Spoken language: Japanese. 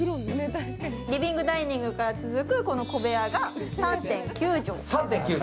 リビングダイニングから続く小部屋が３．９畳。